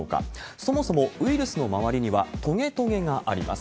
そもそもウイルスの周りには、とげとげがあります。